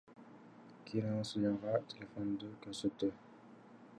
Кийин ал судьяга телефонду көрсөттү.